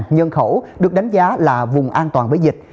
hai trăm linh năm nhân khẩu được đánh giá là vùng an toàn với dịch